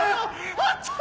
あったー！